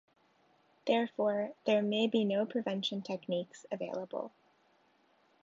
Therefore, there may be no prevention techniques available.